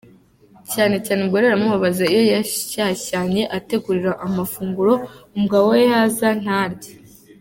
Cyane cyane umugore biramubabaza iyo yashyashyanye ategurira amafunguro umugabo we yaza ntarye.